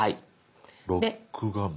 「ロック画面」。